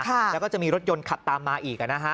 แล้วก็จะมีรถยนต์ขับตามมาอีก